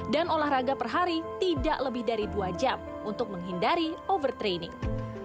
dan olahraga per hari tidak lebih dari dua jam untuk menghindari overtraining